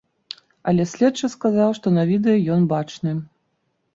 Але следчы сказаў, што на відэа ён бачны.